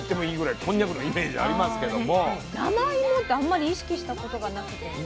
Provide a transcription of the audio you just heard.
でも生芋ってあんまり意識したことがなくて。